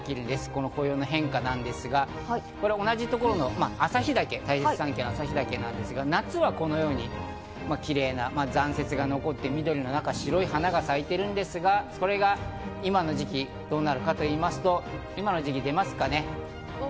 この紅葉の変化なんですが、これ同じところの大雪山系の旭岳ですが、夏はこのように残雪が残って、緑の中、白い花が咲いてるんですが、それが今の時期どうなるかと言いますと、今の時期でますかね？